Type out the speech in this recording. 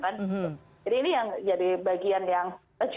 jadi ini yang jadi bagian yang